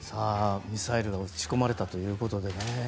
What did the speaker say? ミサイルが撃ち込まれたということでね。